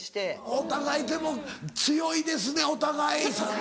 お互いでも強いですねお互い。